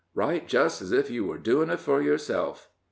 "Write just as if you were doing it for yourself."